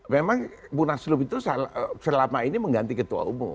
memang munaslup itu selama ini mengganti ketua umum